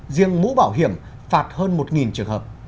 riêng mũ bảo hiểm phạt hơn một trường hợp